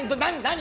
何？